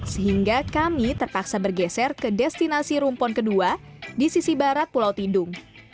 sehingga kami terpaksa bergeser ke destinasi rumpon kedua di sisi barat pulau tidung